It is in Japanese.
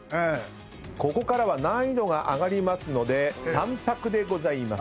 ここからは難易度が上がりますので３択でございます。